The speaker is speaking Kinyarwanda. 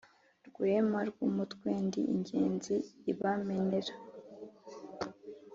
Rwema rw'umutwe ndi ingenzi ibamenera.